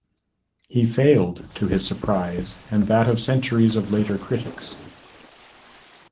He failed, to his surprise and that of centuries of later critics.